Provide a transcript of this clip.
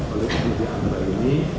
oleh tujuh anda ini